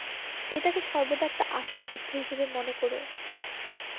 এটাকে সর্বদা একটা আসল যুদ্ধ হিসেবে মনে করো।